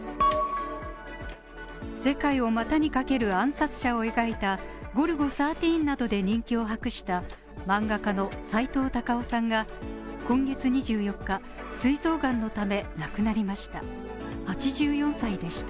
世界を股に掛ける暗殺者を描いた「ゴルゴ１３」などで人気を博した漫画家のさいとうたかをさんが今月２４日、すい臓がんのため亡くなりました。